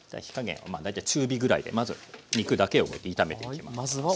火加減大体中火ぐらいでまず肉だけを炒めていきます。